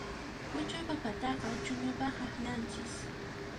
Huch'uy papataqa ch'uñupaq akllanchis.